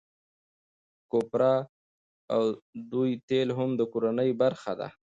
کوپره او دوی تېل هم د کورنۍ برخه ده.